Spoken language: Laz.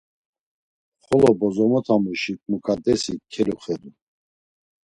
Xolo bozomotamuşi Muǩadesi keluxedu.